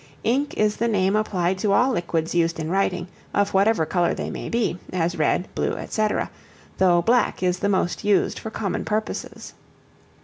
Ink is the name applied to all liquids used in writing, of whatever color they may be, as red, blue, &c., though black is the most used for common purposes.